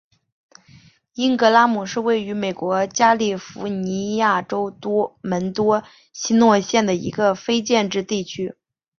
因格拉姆是位于美国加利福尼亚州门多西诺县的一个非建制地区。